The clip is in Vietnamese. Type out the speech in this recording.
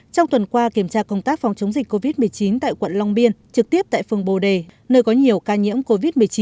trong tuần qua kiểm tra công tác phòng chống dịch covid một mươi chín tại quận long biên trực tiếp tại phường bồ đề nơi có nhiều ca nhiễm covid một mươi chín